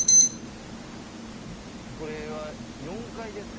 これは４階ですか？